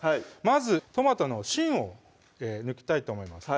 まずトマトの芯を抜きたいと思います